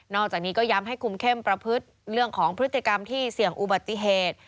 อกจากนี้ก็ย้ำให้คุมเข้มประพฤติเรื่องของพฤติกรรมที่เสี่ยงอุบัติเหตุ